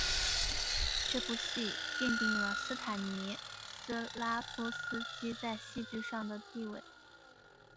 这部戏奠定了斯坦尼斯拉夫斯基在戏剧上的地位。